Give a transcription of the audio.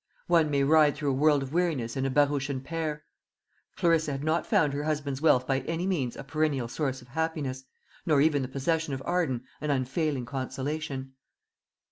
One may ride through a world of weariness in a barouche and pair. Clarissa had not found her husband's wealth by any means a perennial source of happiness, nor even the possession of Arden an unfailing consolation.